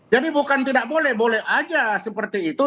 jadi bukan tidak boleh boleh aja seperti itu